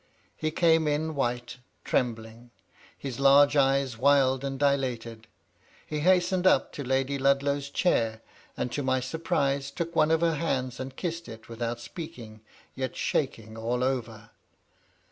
He came in white, trembling, his large eyes wild and dilated. He hastened up to Lady Ludlow's chair, and, to my surprise, took one of her hands and kissed it, without speaking, yet shaking all over.